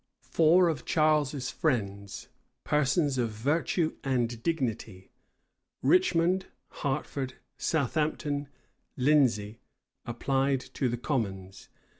Four of Charles's friends, persons of virtue and dignity, Richmond, Hertford, Southampton, Lindesey, applied to the commons.